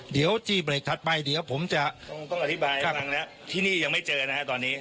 เดี๋ยวที่เบรกถัดไปเดี๋ยวผมจะต้องอธิบายอีกครั้งแล้วที่นี่ยังไม่เจอนะฮะตอนนี้